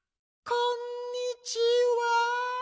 こんにちは。